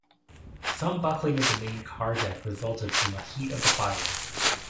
Some buckling of the main car deck resulted from the heat of the fire.